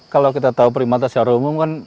kalau kita tahu primata secara umum kan